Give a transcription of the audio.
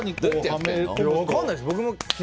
分からないです、僕も。